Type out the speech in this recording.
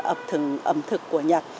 ẩm thực của nhật